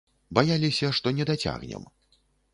Баяліся, што не дацягнем.